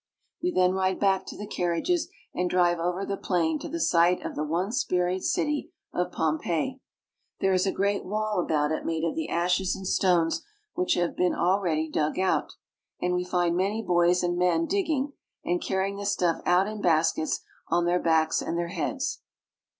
We then ride back to the carriages, and drive over the plain to the site of the once buried city of Pompeii. There is a great wall about it made of the ashes and stones which NAPLES AND MOUNT VESUVIUS. 427 have been already dug out ; and we find many boys and men digging, and carrying the stuff out in baskets on their backs and their heads.